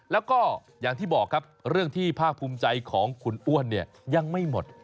แล้วก็อย่างที่บอกครับเรื่องที่ภาคภูมิใจของคุณอ้วนเนี่ยยังไม่หมด